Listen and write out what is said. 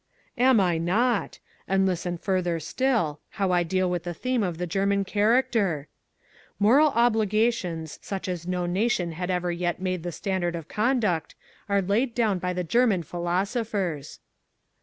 "Am I not? And listen further still, how I deal with the theme of the German character, 'Moral obligations such as no nation had ever yet made the standard of conduct, are laid down by the German philosophers.'"